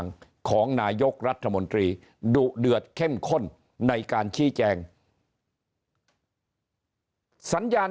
ของนายกรัฐมนตรีดุเดือดเข้มข้นในการชี้แจงสัญญาณ